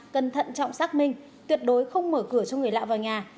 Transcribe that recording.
cần thận trọng xác minh tuyệt đối không mở cửa cho người lạ vào nhà